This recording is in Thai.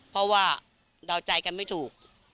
เพราะว่าเดาใจกันไม่ถูก